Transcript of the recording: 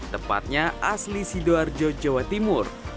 tepatnya asli sidoarjo jawa timur